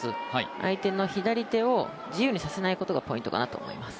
相手の左手を自由にさせないことがポイントかなと思います。